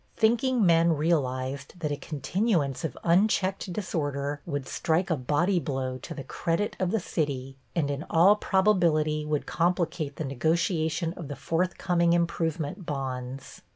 Thinking men realized that a continuance of unchecked disorder would strike a body blow to the credit of the city and in all probability would complicate the negotiation of the forthcoming improvement bonds.